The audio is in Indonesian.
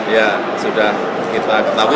ya sudah kita ketahui